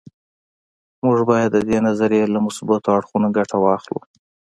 موږ باید د دې نظریې له مثبتو اړخونو ګټه واخلو